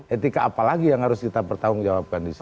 etika apa lagi yang harus kita bertanggung jawabkan disitu